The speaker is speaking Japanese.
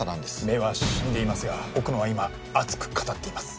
目は死んでいますが奥野は今熱く語っています。